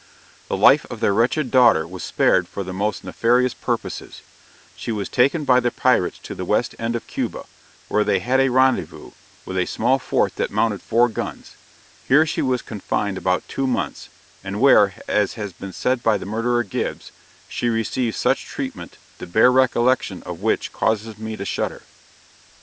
The life of their wretched daughter was spared for the most nefarious purposes she was taken by the pirates to the west end of Cuba, where they had a rendezvous, with a small fort that mounted four guns here she was confined about two months, and where, as has been said by the murderer Gibbs, "she received such treatment, the bare recollection of which causes me to shudder!"